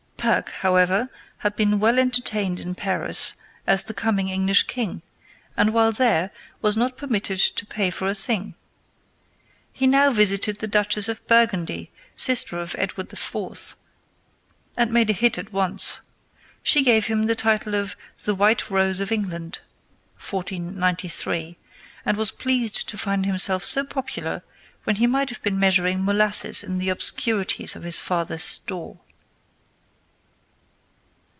Perk, however, had been well entertained in Paris as the coming English king, and while there was not permitted to pay for a thing. He now visited the Duchess of Burgundy, sister of Edward IV., and made a hit at once. She gave him the title of The White Rose of England (1493), and he was pleased to find himself so popular when he might have been measuring molasses in the obscurity of his father's store.